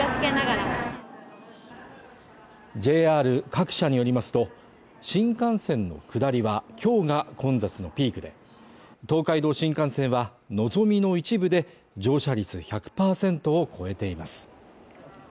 ＪＲ各社によりますと新幹線の下りはきょうが混雑のピークで東海道新幹線はのぞみの一部で乗車率１００％を超えています